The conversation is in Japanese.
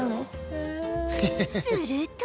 すると